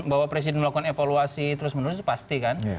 bahwa presiden melakukan evaluasi terus menerus pasti kan